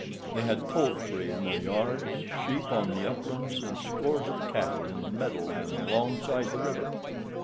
They had poultry in their yards, sheep on the uplands, and scores of cattle in the meadow land alongside the river.